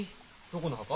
どこの墓？